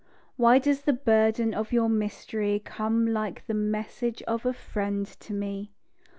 Why does the burden of your mystery Come like the message of a friend to me?